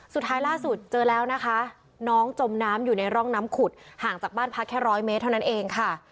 สุดท้ายล่าสุดเจอแล้วนะคะน้องจมน้ำอยู่ในร่องน้ำขุดห่างจากบ้านพักแค่ร้อยเมตรเท่านั้นเองค่ะ